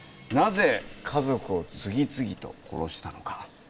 なぜ家族を次々と殺したのか？